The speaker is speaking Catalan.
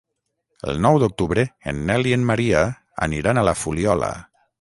El nou d'octubre en Nel i en Maria aniran a la Fuliola.